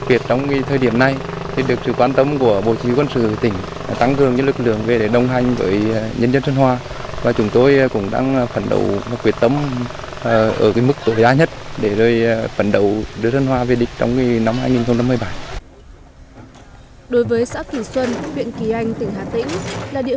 đến thời điểm này xã sơn hòa huyện hương sơn tỉnh hà tĩnh mới đạt được trên một mươi tiêu chí về sử dụng nông thuận mới